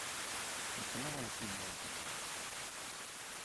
It can always be more diverse.